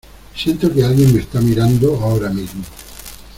Siento que alguien me está mirando ahora mismo.